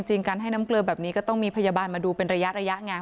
การให้น้ำเกลือแบบนี้ก็ต้องมีพยาบาลมาดูเป็นระยะไง